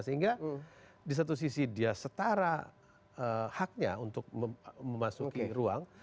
sehingga di satu sisi dia setara haknya untuk memasuki ruang